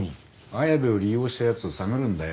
綾部を利用した奴を探るんだよ。